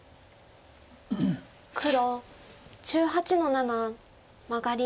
黒１８の七マガリ。